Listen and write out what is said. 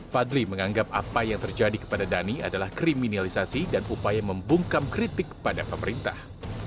fadli menganggap apa yang terjadi kepada dhani adalah kriminalisasi dan upaya membungkam kritik pada pemerintah